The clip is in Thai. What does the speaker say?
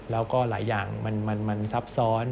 แล้วก็หลายอย่างมันซับซ้อน